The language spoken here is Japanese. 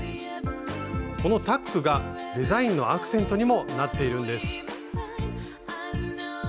このタックがデザインのアクセントにもなっているんです。